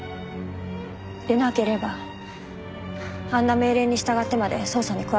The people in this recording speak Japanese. でなければあんな命令に従ってまで捜査に加わったりしません。